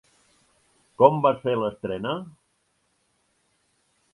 Com va ser l'estrena?